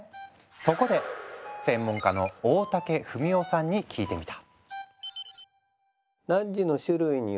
そこで専門家の大竹文雄さんに聞いてみた。